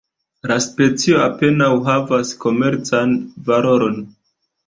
La specio apenaŭ havas komercan valoron.